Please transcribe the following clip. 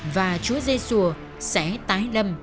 và chúa dê sùa sẽ tái lâm